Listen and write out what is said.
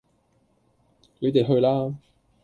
你地去啦